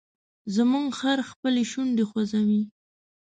زموږ خر خپلې شونډې خوځوي.